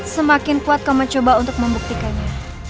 semakin kuat kau mencoba untuk membuktikannya